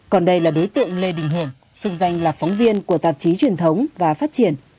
còn đây là đối tượng lê đình hưởng xưng danh là phóng viên của tạp chí truyền thống và phát triển